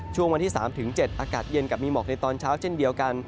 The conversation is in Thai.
ช่วงวันที่๓๗อากาศเย็นกับมีหมอกในตอนเช้าเช่นเดียวกัน